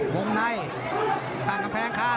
มุมในต้านกำแพงค่ะ